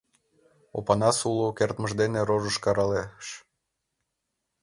— Опанас уло кертмыж дене рожыш каралеш.